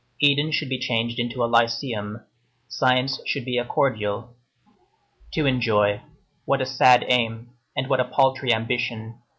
Eden should be changed into a Lyceum. Science should be a cordial. To enjoy,—what a sad aim, and what a paltry ambition!